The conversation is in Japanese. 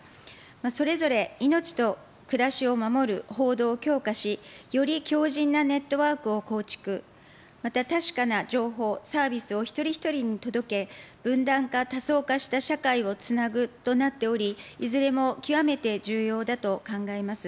それぞれ命と暮らしを守る報道を強化し、より強じんなネットワークを構築、また確かな情報、サービスを一人一人に届け、分断化、多層化した社会をつなぐとなっており、いずれも極めて重要だと考えます。